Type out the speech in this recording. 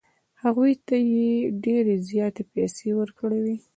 هغوی ته یې ډېرې زیاتې پیسې ورکړې وې.